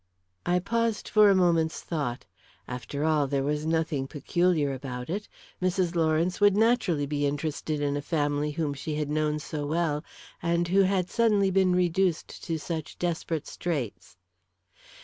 I paused for a moment's thought. After all, there was nothing peculiar about it. Mrs. Lawrence would naturally be interested in a family whom she had known so well, and who had suddenly been reduced to such desperate straits.